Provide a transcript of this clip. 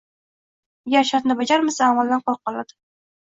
Agar shartni bajarmasa, amaldan quruq qoladi